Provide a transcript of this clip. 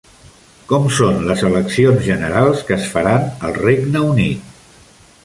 Com són les eleccions generals que es faran al Regne Unit?